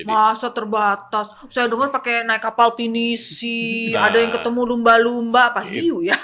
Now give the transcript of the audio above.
masa terbatas saya dengar pakai naik kapal pinisi ada yang ketemu lumba lumba apa hiu ya